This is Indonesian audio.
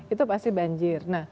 itu pasti banjir